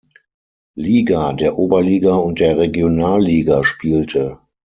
Liga, der Oberliga und der Regionalliga spielte.